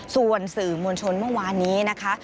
ส่วนสื่อมวลชนเมื่อวานนี้นะคะ